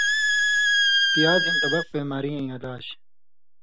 پیاز ہِن طبق بیماری ایں علاج